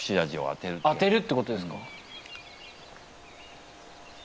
当てるってことですか？